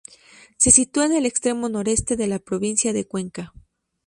Se sitúa en el extremo noreste de la provincia de Cuenca.